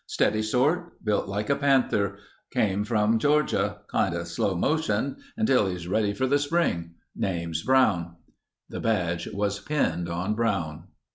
"Steady sort. Built like a panther. Came from Georgia. Kinda slow motioned until he's ready for the spring. Name's Brown." The badge was pinned on Brown.